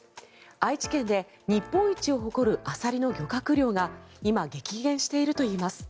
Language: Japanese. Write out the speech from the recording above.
愛知県で日本一を誇るアサリの漁獲量が今、激減しているといいます。